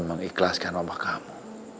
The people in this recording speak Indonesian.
mengikhlaskan rumah kamu